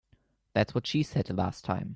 That's what she said the last time.